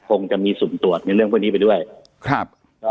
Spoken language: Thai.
คงจะมีสุ่มตรวจในเรื่องพวกนี้ไปด้วยครับ